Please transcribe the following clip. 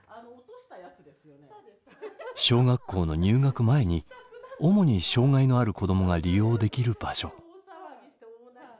小学校の入学前に主に障害のある子どもが利用できる場所。